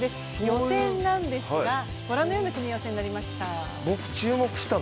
予選なんですが、御覧のような組み合わせになりました。